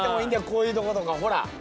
こういうとことかほら。